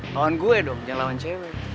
lawan gue dong jangan lawan cewe